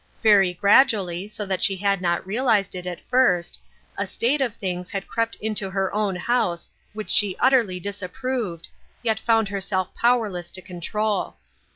Very gradually, so that she had not realized it at first, a state of things had crept into her own house which she utterly disapproved, yet found herself powerless to control.